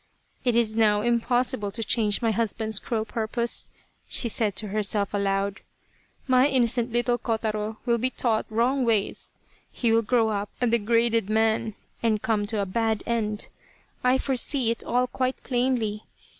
" It is now impossible to change my husband's cruel purpose," she said to herself aloud. " My innocent little Kotaro will be taught wrong ways, he will grow up a degraded man and come to a bad end. I foresee it all quite plainly.